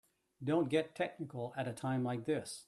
Don't get technical at a time like this.